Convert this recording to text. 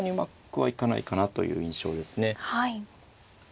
はい。